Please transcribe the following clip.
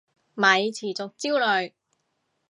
咪持續焦慮